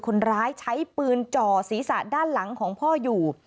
คนร้ายใช้ปืนจ่อศีรษะด้านหลังของพ่ออยู่